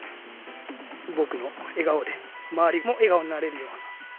僕の笑顔で周りも笑顔になれるような。